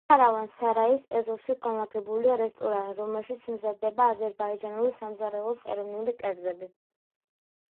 ქარავან-სარაის ეზოში განლაგებულია რესტორანი, რომელშიც მზადდება აზერბაიჯანული სამზარეულოს ეროვნული კერძები.